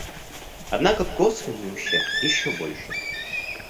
Однако косвенный ущерб еще больше.